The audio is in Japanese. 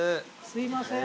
すいません